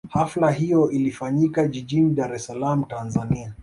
Hafla hiyo ilifanyika jijini Dar es Salaam Tanzania